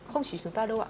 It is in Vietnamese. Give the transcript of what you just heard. không chỉ chúng ta đâu ạ